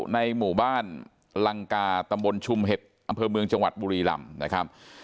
ในหมู่บ้านลังกาตำบลชุมเห็ดอำเภอเมืองจังหวัดบุรีลำนะครับ